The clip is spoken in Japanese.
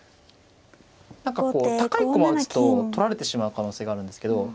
何か高い駒を打つと取られてしまう可能性があるんですけど。